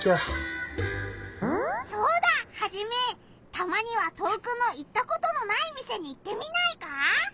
たまには遠くの行ったことのない店に行ってみないか？